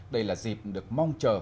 đây là dịp được mong chờ